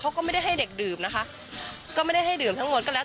เขาก็ไม่ได้ให้เด็กดื่มนะคะก็ไม่ได้ให้ดื่มทั้งหมดก็แล้ว